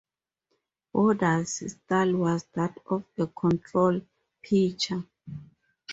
Borders' style was that of a control pitcher.